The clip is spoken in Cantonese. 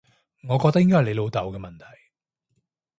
我覺得應該係你老豆嘅問題